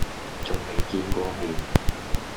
仲未見過面